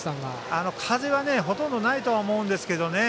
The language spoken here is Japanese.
風はほとんどないとは思うんですけどね。